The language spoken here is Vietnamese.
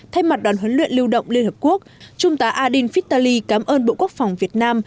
thay mặt đoàn huấn luyện lưu động liên hợp quốc trung tá adin fittaly cảm ơn bộ quốc phòng việt nam